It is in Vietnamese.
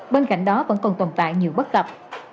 bên cạnh đó vẫn còn tồn tại nhiều bất cập